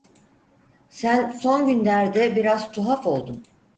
Sen son günlerde biraz tuhaf oldun!